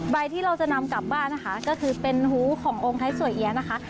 ที่เราจะนำกลับบ้านนะคะก็คือเป็นหูขององค์ไทยสวยเอี๊ยะนะคะ